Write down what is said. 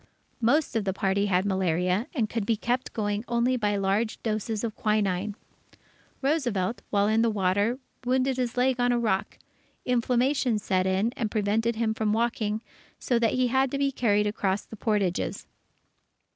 Most of the party had malaria, and could be kept going only by large doses of quinine. Roosevelt, while in the water, wounded his leg on a rock; inflammation set in, and prevented him from walking, so that he had to be carried across the portages.